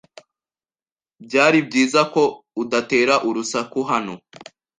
Byari byiza ko udatera urusaku hano.